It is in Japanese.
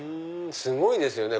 すごいですよね